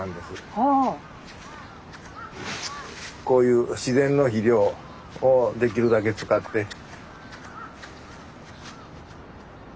こういう自然の肥料をできるだけ使って。